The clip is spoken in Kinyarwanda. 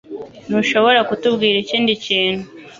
Ntushobora kutubwira ikindi kintu